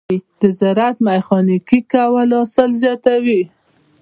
د زراعت ميخانیکي کول حاصل زیاتوي.